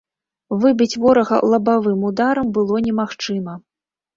Выбіць ворага лабавым ударам было немагчыма.